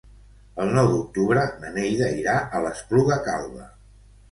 El nou d'octubre na Neida irà a l'Espluga Calba.